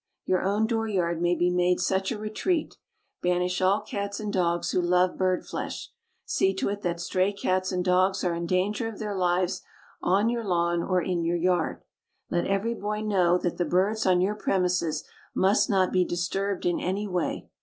Your own door yard may be made such a retreat. Banish all cats and dogs who love bird flesh. See to it that stray cats and dogs are in danger of their lives on your lawn or in your yard. Let every boy know that the birds on your premises must not be disturbed in any way.